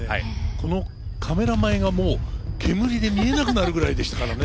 このカメラ前が、もう煙で見えなくなるくらいでしたからね。